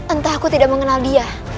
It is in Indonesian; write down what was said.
entah aku tidak mengenal dia